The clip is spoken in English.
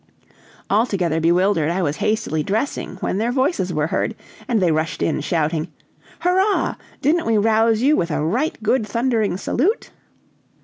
Altogether bewildered, I was hastily dressing, when their voices were heard, and they rushed in shouting: "Hurrah! didn't we rouse you with a right good thundering salute?"